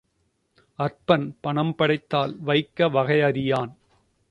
அற்பன் பணம் படைத்தால் வைக்க வகை அறியான்.